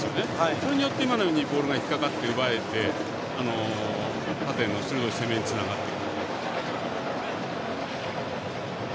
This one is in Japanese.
それによってボールが引っ掛かって奪えて縦の鋭い攻めにつながっていく。